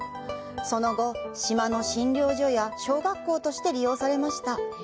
その後、島の診療所や小学校として利用されました。